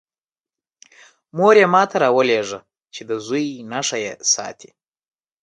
مور یې ما ته راولېږه چې د زوی نښه یې ساتی.